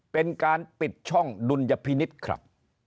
เป็นการปิดช่องดุลยพินิษฐ์ครับ